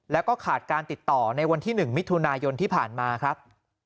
แล้วก็ขาดการติดต่อในวันที่๑มิถุนายนที่ผ่านมาครับ